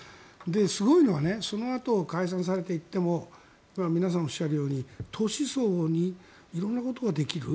すごいのは、そのあと解散されていっても皆さんおっしゃるように年相応に色んなことができる。